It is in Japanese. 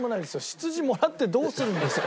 羊もらってどうするんですか。